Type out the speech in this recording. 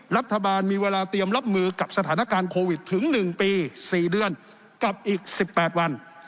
รัฐบาลมีเวลาเตรียมรับมือกับสถานการณ์โควิดถึง๑ปี๔เดือนกับอีก๑๘วัน